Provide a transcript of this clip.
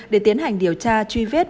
để tiến hành điều tra truy vết